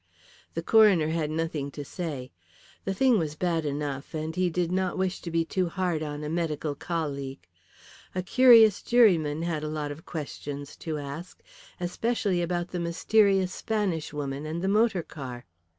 The coroner had nothing to say. The thing was bad enough, and he did not wish to be too hard on a medical colleague. A curious juryman had a lot of questions to ask, especially about the mysterious Spanish woman and the motor car.